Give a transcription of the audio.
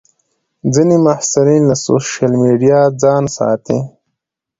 ځینې محصلین له سوشیل میډیا ځان ساتي.